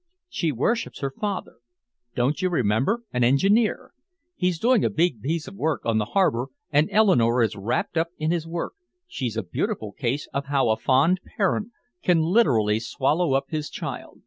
"She worships her father. Don't you remember? An engineer. He's doing a big piece of work on the harbor and Eleanore is wrapped up in his work, she's a beautiful case of how a fond parent can literally swallow up his child.